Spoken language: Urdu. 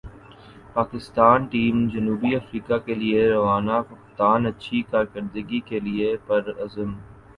پاکستان ٹیم جنوبی افریقہ کیلئے روانہ کپتان اچھی کارکردگی کیلئے پر عزم